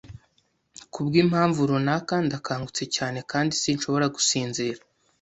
Kubwimpamvu runaka, ndakangutse cyane kandi sinshobora gusinzira.